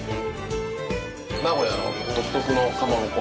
名古屋の独特のかまぼこ。